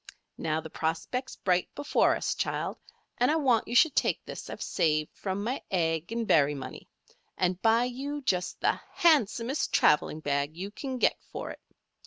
Now the prospect's bright before us, child, and I want you should take this I've saved from my egg and berry money, and buy you just the handsomest traveling bag you can get for it.